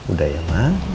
udah ya ma